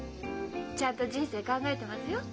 ちゃんと人生考えてますよ。